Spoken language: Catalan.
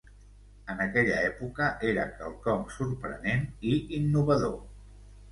En aquella època era quelcom sorprenent i innovador.